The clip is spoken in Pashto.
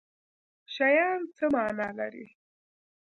شیان څه معنی لري